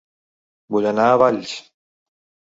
Vull anar a Valls